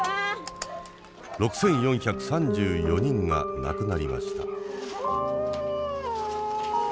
６，４３４人が亡くなりました。